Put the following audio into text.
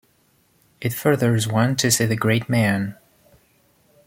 It furthers one to see the great man.